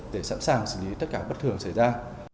để sẵn sàng xử lý tất cả bất thường xảy ra